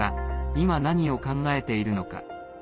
今、何を考えているのか。